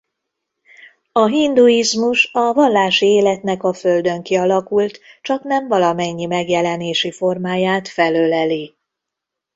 A hinduizmus a vallási életnek a földön kialakult csaknem valamennyi megjelenési formáját felöleli.